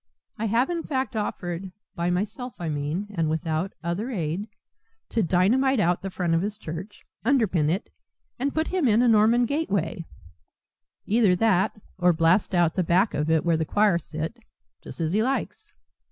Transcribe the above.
I have, in fact, offered by myself, I mean, and without other aid to dynamite out the front of his church, underpin it, and put him in a Norman gateway; either that, or blast out the back of it where the choir sit, just as he likes.